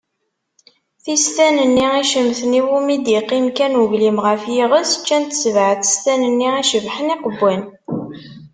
Tistan-nni icemten, iwumi i d-iqqim kan ugwlim ɣef yiɣes, ččant sebɛa n testan-nni icebḥen, iqewwan.